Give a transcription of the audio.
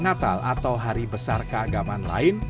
bahkan saat perayaan natal atau hari besar keagaman lain